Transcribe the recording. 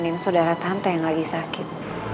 nemenin sodara tante yang lagi sakit